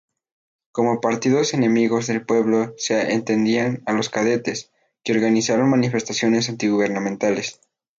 Como partidos enemigos del pueblo se entendían a los kadetes, que organizaron manifestaciones antigubernamentales.